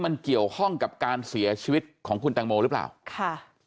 มันเกี่ยวข้องกับการเสียชีวิตของคุณแตงโมหรือเปล่าค่ะ